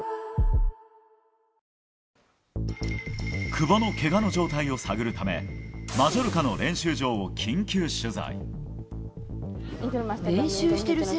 久保のけがの状態を探るためマジョルカの練習場を緊急取材。